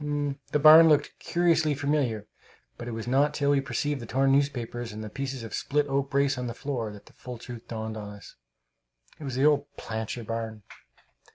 The barn looked curiously familiar; but it was not till we perceived the torn newspapers and the pieces of split oak brace on the floor that the full truth dawned on us. It was the old Plancher barn!